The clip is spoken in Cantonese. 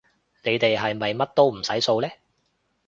你哋係咪乜都唔使掃嘞